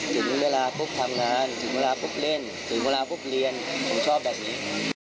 ถึงเวลาปุ๊บทำงานถึงเวลาปุ๊บเล่นถึงเวลาปุ๊บเรียนผมชอบแบบนี้